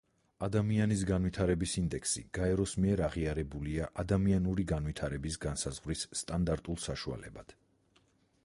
ადამიანის განვითარების ინდექსი გაეროს მიერ აღიარებულია ადამიანური განვითარების განსაზღვრის სტანდარტულ საშუალებად.